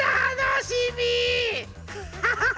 アハハハ！